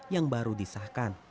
yang baru disahkan